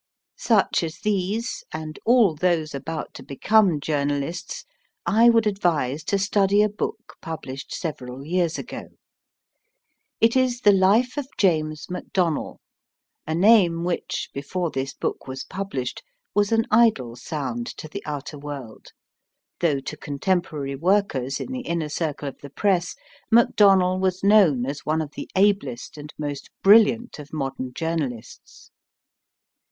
Such as these, and all those about to become journalists, I would advise to study a book published several years ago. It is the Life of James MacDonell, a name which, before this book was published, was an idle sound to the outer world, though to contemporary workers in the inner circle of the Press Macdonell was known as one of the ablest and most brilliant of modern journalists.